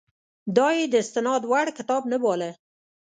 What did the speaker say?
دا یې د استناد وړ کتاب نه باله.